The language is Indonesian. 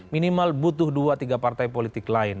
minimal butuh dua tiga partai politik lain